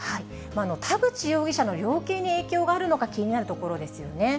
田口容疑者の量刑に影響があるのか、気になるところですよね。